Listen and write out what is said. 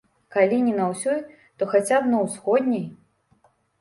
Калі не на ўсёй, то хаця б на ўсходняй.